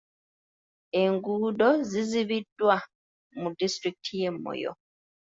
Enguudo zizimbiddwa mu disitulikiti y'e Moyo.